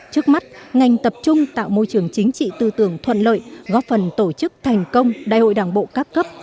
trước mắt ngành tập trung tạo môi trường chính trị tư tưởng thuận lợi góp phần tổ chức thành công đại hội đảng bộ các cấp